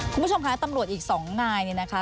คุณผู้ชมคะตำรวจอีก๒นายเนี่ยนะคะ